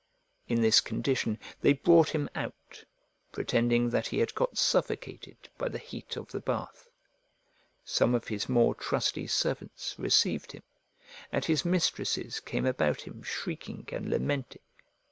In this condition they brought him out, pretending that he had got suffocated by the heat of the bath. Some of his more trusty servants received him, and his mistresses came about him shrieking and lamenting.